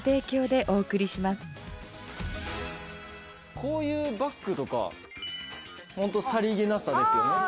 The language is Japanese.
こういうバッグとか、本当にさりげなさですよね。